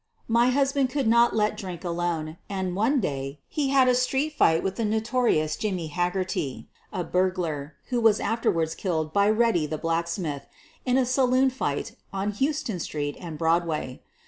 My husband could not let drink alone, and on» day he had a street fight with the notorious Jimm; Haggerty, a burglar, who was afterward killed b "Reddy the Blacksmith" in a saloon fight on Hous ton Street and Broadway.